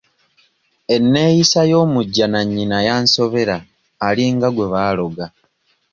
Eneeyisa y'omujjanannyina yansobera alinga gwe baaloga.